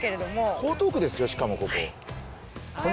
江東区ですよ、しかも、ここ。